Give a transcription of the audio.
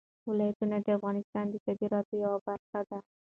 ولایتونه د افغانستان د صادراتو یوه برخه ده.